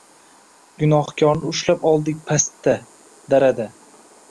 Gunohkorni ushlab oldik pastda, darada